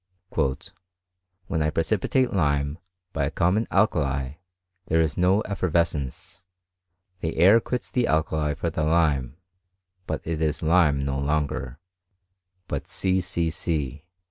" When I preci 3 lime by a common alkali there is no efferves i : the air quits the alkali for the lime; but it is no longer, but C. C. C.